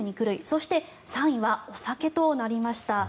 そして、３位はお酒となりました。